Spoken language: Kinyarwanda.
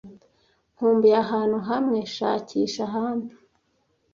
Nkumbuye ahantu hamwe shakisha ahandi,